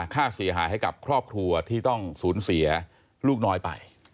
ค่าเสียหายให้กับครอบครัวที่ต้องสูญเสียลูกน้อยไป